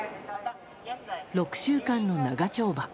６週間の長丁場。